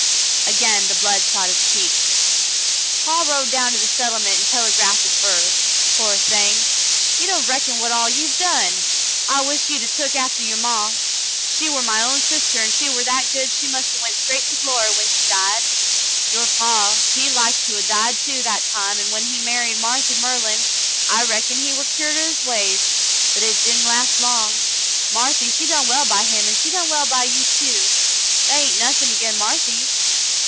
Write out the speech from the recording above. Again the blood sought his cheeks. "Paw rode down to the settlement and telegrafted fer her. Pore thing! You don't reckon what all you have done. I wisht you'd 'a' took aftah your maw. She war my own sister, 'nd she war that good she must 'a' went straight to glory when she died. Your paw, he like to 'a' died too that time, an' when he married Marthy Merlin, I reckoned he war cured o' his ways ; but hit did'n' last long. Marthy, she done well by him, an' she done well by 3^ou, too. They hain't nothin' agin Marthy.